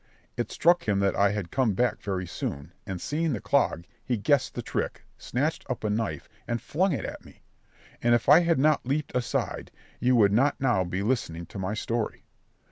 It struck him that I had come back very soon, and seeing the clog, he guessed the trick, snatched up a knife, and flung it at me; and if I had not leaped aside, you would not now be listening to my story.